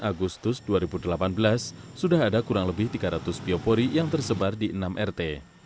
agustus dua ribu delapan belas sudah ada kurang lebih tiga ratus biopori yang tersebar di enam rt